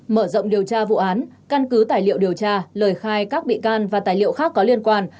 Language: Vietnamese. mở rộng điều tra vụ án căn cứ tài liệu điều tra lời khai các bị can và tài liệu khác có liên quan